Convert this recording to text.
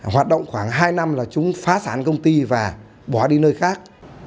hoạt động khoảng hai năm là chúng phá sản công ty và bỏ đi nơi khác